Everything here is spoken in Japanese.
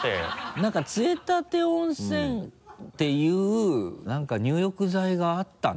なんか杖立温泉っていう入浴剤があったな。